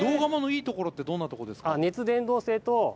いいところどんなとこですか？